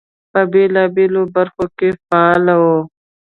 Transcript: په بېلابېلو برخو کې فعال وو.